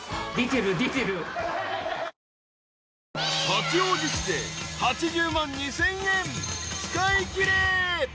［八王子市で８０万２，０００円使いきれ］